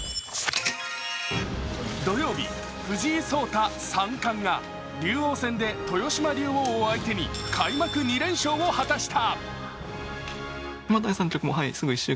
土曜日、藤井聡太三冠が竜王戦で豊島竜王を相手に開幕２連勝を果たした。